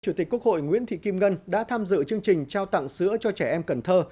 chủ tịch quốc hội nguyễn thị kim ngân đã tham dự chương trình trao tặng sữa cho trẻ em cần thơ